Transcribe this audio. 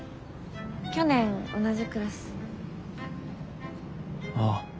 去年同じクラス。ああ。